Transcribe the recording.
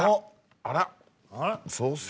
あら。